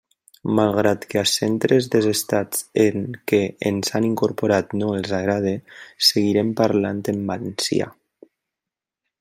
Malgrat que als centres dels estats en què ens han incorporat no els agrade, seguirem parlant en valencià!